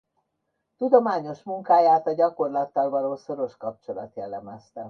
Tudományos munkáját a gyakorlattal való szoros kapcsolat jellemezte.